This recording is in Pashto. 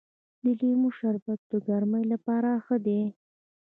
د لیمو شربت د ګرمۍ لپاره ښه دی.